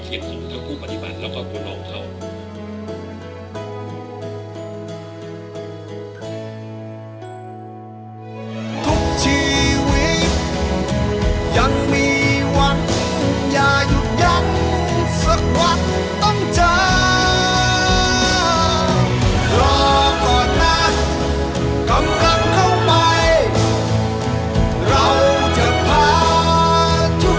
ช่วยที่ผู้ป่าออกมาให้ได้